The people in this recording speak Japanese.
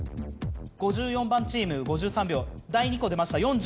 ５４番チーム５３秒２個出ました。